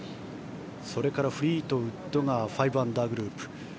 それからフリートウッドが５アンダーグループ。